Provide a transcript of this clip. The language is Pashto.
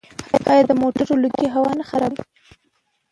آیا د موټرو لوګی هوا نه خرابوي؟